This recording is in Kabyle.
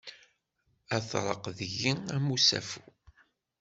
Ad tṛeq deg-i am usafu.